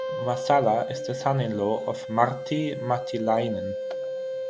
Vasala is the son-in-law of Martti Matilainen.